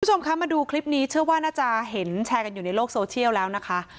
คุณผู้ชมคะมาดูคลิปนี้เชื่อว่าน่าจะเห็นแชร์กันอยู่ในโลกโซเชียลแล้วนะคะ